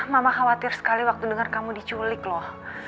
mama khawatir sekali waktu dengar kamu diculik loh